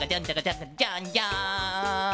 ジャンジャン！